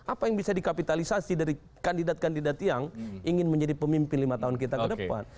apa yang bisa dikapitalisasi dari kandidat kandidat yang ingin menjadi pemimpin lima tahun kita ke depan